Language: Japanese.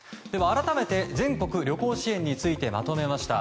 改めて全国旅行支援についてまとめました。